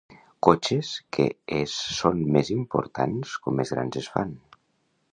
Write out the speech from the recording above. Cotxes que es són més importants com més grans es fan.